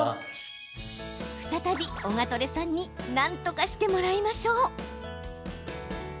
再び、オガトレさんになんとかしてもらいましょう。